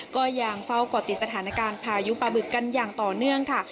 ก็ยังเฝ้าก่อติดสถานการณ์พายุปลาบึกกันอย่างต่อเนื่องค่ะ